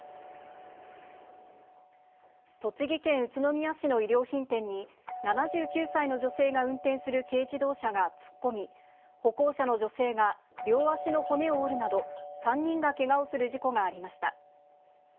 栃木県宇都宮市の衣料品店に、７９歳の女性が運転する軽自動車が突っ込み、歩行者の女性が両足の骨を折るなど、３人がけがをする事故がありました。